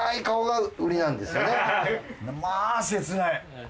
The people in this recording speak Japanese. まぁ切ない！